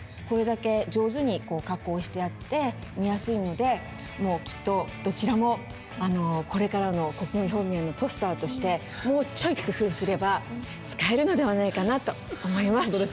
これだけ上手に加工してあって見やすいのでもうきっとどちらもこれからの「国語表現」のポスターとしてもうちょい工夫すれば使えるのではないかなと思います。